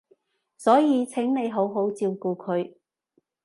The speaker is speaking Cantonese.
所以請你好好照顧佢